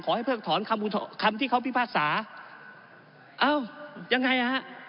ขอให้เพิ่งถอนคำที่เขาพิภาษาเอ้ายังไงฮะ